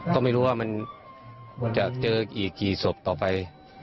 ก็ไม่รู้ว่ามันจะเจอกี่ศพต่อไป